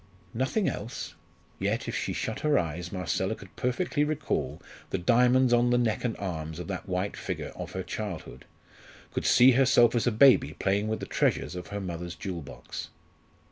Nothing else? Yet, if she shut her eyes, Marcella could perfectly recall the diamonds on the neck and arms of that white figure of her childhood could see herself as a baby playing with the treasures of her mother's jewel box.